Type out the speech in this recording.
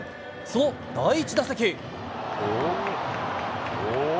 その第１打席。